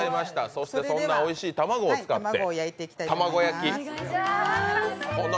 そしてそんなおいしい卵を使って玉子焼き。